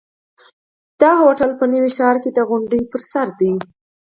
دا هوټل په نوي ښار کې د غونډیو پر سر دی.